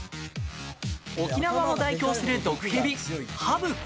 沖縄を代表する毒蛇、ハブ。